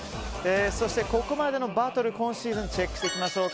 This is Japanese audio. ここまでのバトル、今シーズンチェックしていきましょうか。